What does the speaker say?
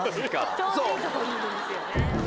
ちょうどいいとこにいるんですよね。